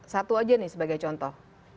satu aja nih sebagai contoh